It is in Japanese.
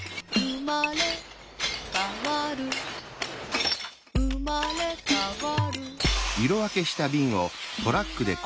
「うまれかわるうまれかわる」